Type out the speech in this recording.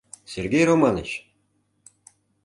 — Сергей Романыч!